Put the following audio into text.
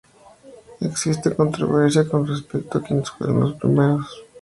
Existe controversia con respecto a quienes fueron los primeros europeos en escalar la montaña.